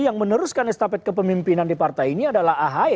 yang meneruskan estafet kepemimpinan di partai ini adalah ahy